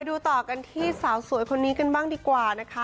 ดูต่อกันที่สาวสวยคนนี้กันบ้างดีกว่านะคะ